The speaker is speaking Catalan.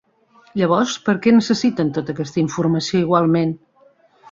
Llavors, per a què necessiten tota aquesta informació igualment?